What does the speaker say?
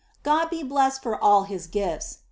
'^God be blessed for all his gifls